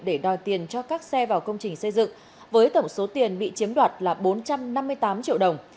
để đòi tiền cho các xe vào công trình xây dựng với tổng số tiền bị chiếm đoạt là bốn trăm năm mươi tám triệu đồng